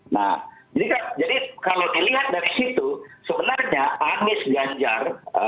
nah jadi kalau dilihat dari situ sebenarnya anies ganjar